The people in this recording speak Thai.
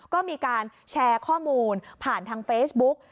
ก็มีการแชร์ข้อมูลผ่านทางเฟซบุ๊ก